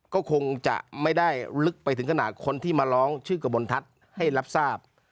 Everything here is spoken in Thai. ก็คงจะไม่ได้ลึกไปถึงขนาดคนที่มาร้องชื่อกระบวนทัศน์ให้รับทราบ